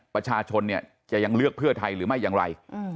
ประชาชนเนี่ยจะยังเลือกเพื่อไทยหรือไม่อย่างไร